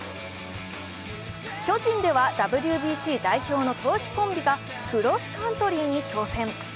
巨人ではＷＢＣ代表の投手コンビがクロスカントリーに挑戦。